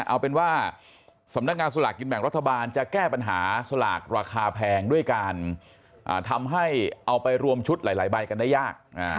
เอาเป็นว่าสำนักงานสลากกินแบ่งรัฐบาลจะแก้ปัญหาสลากราคาแพงด้วยการทำให้เอาไปรวมชุดหลายใบกันได้ยาก